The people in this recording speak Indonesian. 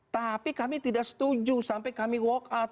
tapi kami tidak setuju sampai kami walk out